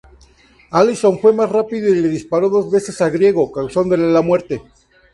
Allison fue más rápido y le disparó dos veces a Griego, causándole la muerte.